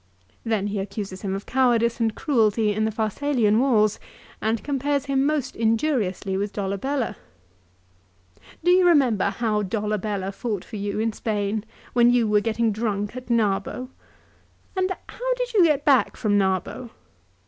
Then he accuses him of cowardice and cruelty in the Pharsalian wars, and compares him most injuriously with Dolabella. "Do you remember how Dolabella fought for you in Spain, when you were getting drunk at Narbo ? And how did you get back from Narbo